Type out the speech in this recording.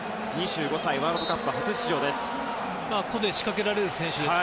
２５歳ワールドカップ初出場です。